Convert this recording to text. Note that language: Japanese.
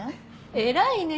偉いね！